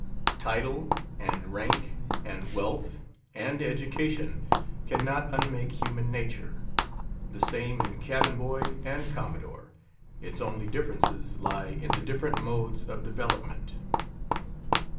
Title, and rank, and wealth, and education cannot unmake human nature; the same in cabin boy and commodore, its only differences lie in the different modes of development.